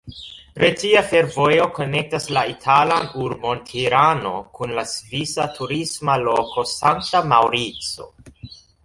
Retia fervojo konektas la italan urbon Tirano kun la svisa turisma loko Sankta Maŭrico.